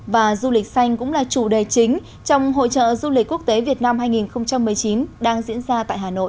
và du lịch xanh cũng là chủ đề chính trong hội trợ du lịch quốc tế việt nam hai nghìn một mươi chín đang diễn ra tại hà nội